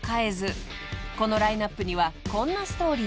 ［このラインアップにはこんなストーリーが］